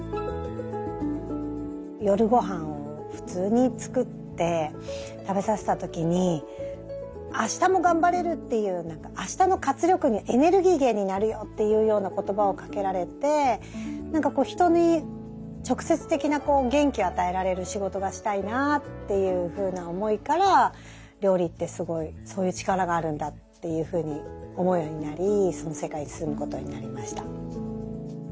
夜ごはんを普通に作って食べさせた時に「明日も頑張れる」っていう何か明日の活力にエネルギー源になるよっていうような言葉をかけられて人に直接的な元気を与えられる仕事がしたいなっていうふうな思いから料理ってすごいそういう力があるんだっていうふうに思うようになりその世界に進むことになりました。